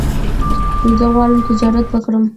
زه غواړم تجارت وکړم